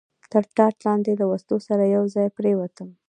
تر ټاټ لاندې له وسلو سره یو ځای پرېوتم.